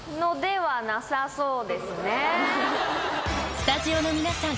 スタジオの皆さん